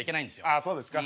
あそうですか。